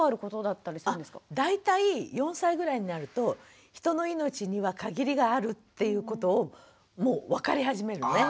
大体４歳ぐらいになると人の命には限りがあるっていうことをもう分かり始めるのね。